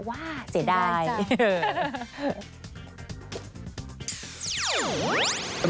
ว่าเสียดาย